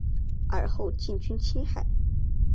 尔后进军青海。